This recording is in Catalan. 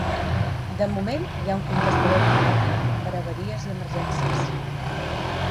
De moment, hi ha un contestador automàtic per a avaries i emergències.